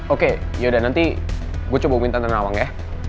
oke yaudah nanti gue coba minta tenten awang ya